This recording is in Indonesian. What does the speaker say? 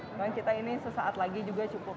memang kita ini sesaat lagi juga cukup